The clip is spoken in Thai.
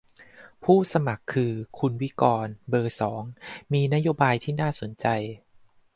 ผู้สมัครคือ คุณวิกรณ์ เบอร์ สอง มีนโยบายที่น่าสนใจ